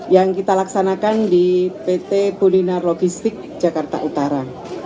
yang kita laksanakan di pt bolinar logistik jakarta utara